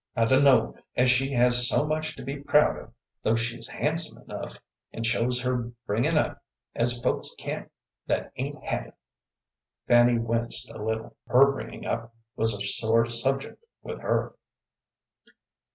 I dunno as she has so much to be proud of, though she's handsome enough, and shows her bringin' up, as folks can't that ain't had it." Fanny winced a little; her bringing up was a sore subject with her.